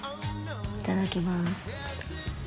いただきます。